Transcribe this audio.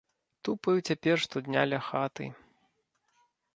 Тупаю цяпер штодня ля хаты.